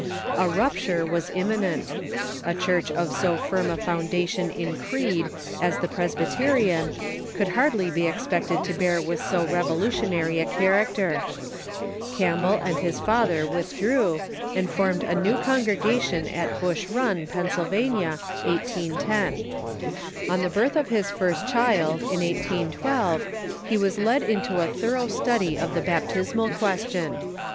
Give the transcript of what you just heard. A rupture was imminent. A Church of so firm a foundation in creed as the Presbyterian could hardly be expected to bear with so revolutionary a character. Campbell Forme? AsMciJtes ^^"*^^'^^^^'^^'^^^" withdrew, and formed a new con gregation at Brush Run, Pennsylvania, 1810. On the birth of his first child, in 1812, he Avas led into a thor ough study of the baptismal question.